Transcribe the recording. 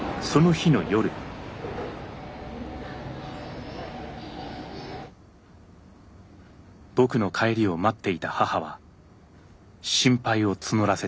僕の帰りを待っていた母は心配を募らせていた。